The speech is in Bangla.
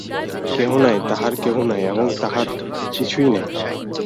কেহ নাই, তাহার কেহ নাই এবং তাহার কিছুই নাই।